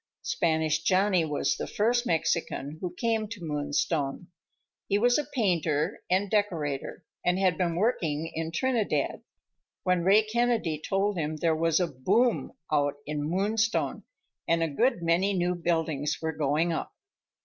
Spanish Johnny was the first Mexican who came to Moonstone. He was a painter and decorator, and had been working in Trinidad, when Ray Kennedy told him there was a "boom" on in Moonstone, and a good many new buildings were going up.